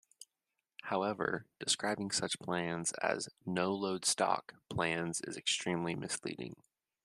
However, describing such plans as "no-load stock" plans is extremely misleading.